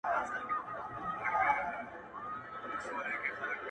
تاند او شین زرغون مي دی له دوی د زړګي کلی -